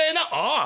「ああ。